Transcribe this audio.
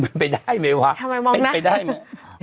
มันไม่ได้ไหมไม่ไปได้ไหมลองน่ะ